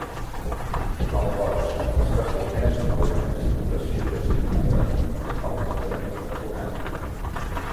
El bosc està sotmès a una explotació gestionada pel comú de Conat.